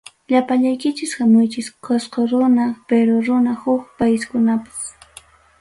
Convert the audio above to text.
Llapallaykichis hamuychis, Qosqo runa, Perú runa, Huk paiskunapas.